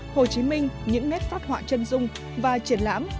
hồ chí minh những nét phát họa chân dung và triển lãm